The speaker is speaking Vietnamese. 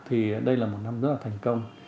thì đây là một năm rất là thành công